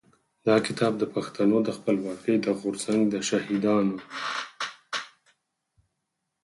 دا کتاب د پښتنو د خپلواکۍ د غورځنګ د شهيدانو.